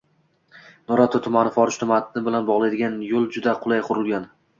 Nurota tumanini Forish tumani bilan bog‘laydigan yo‘l juda qulay qurilgan.